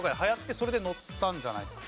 それで載ったんじゃないですか？